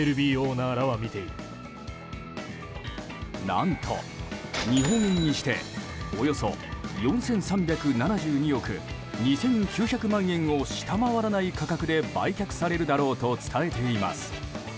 何と、日本円にしておよそ４３７２億２９００万円を下回らない価格で売却されるだろうと伝えています。